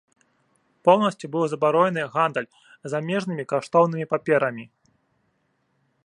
Поўнасцю быў забаронены гандаль замежнымі каштоўнымі паперамі.